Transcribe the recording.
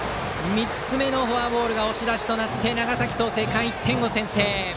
３つ目のフォアボールが押し出しとなって長崎・創成館、１点を先制。